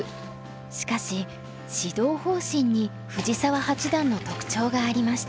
しかし指導方針に藤澤八段の特徴がありました。